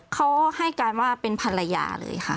เขาให้การว่าเป็นภรรยาเลยค่ะ